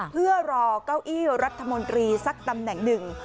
เพื่อรอเก้าอี้รัฐมนตรีสักตำแหน่งหนึ่ง